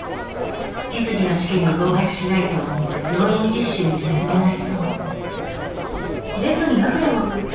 実技の試験に合格しないと病院実習に進めないそう。